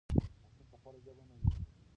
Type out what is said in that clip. ماشوم په خپله ژبه نه وېرېږي.